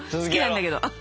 好きなんだけど。